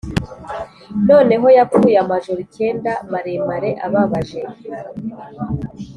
noneho yapfuye amajoro icyenda maremare ababaje;